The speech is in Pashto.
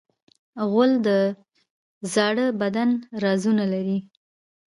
غول د زاړه بدن رازونه لري.